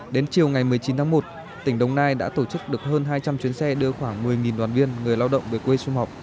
đến chiều ngày một mươi chín tháng một tỉnh đồng nai đã tổ chức được hơn hai trăm linh chuyến xe đưa khoảng một mươi đoàn viên người lao động về quê xung hợp